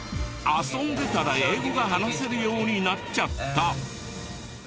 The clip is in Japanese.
遊んでたら英語が話せるようになっちゃった！